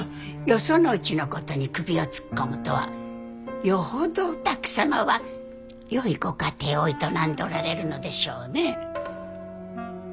よそのうちのことに首を突っ込むとはよほどお宅様はよいご家庭を営んでおられるのでしょうね。